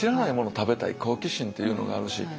食べたい好奇心っていうのがあるし。